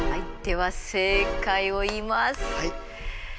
はい。